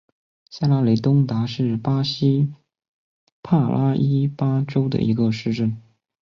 塞拉雷东达是巴西帕拉伊巴州的一个市镇。